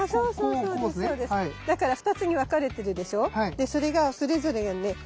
でそれがそれぞれにね